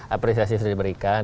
apresiasi sudah diberikan